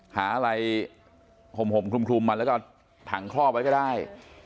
หาอะไรห่มคลุมมันแล้วก็ถังคลอบไว้ก็ได้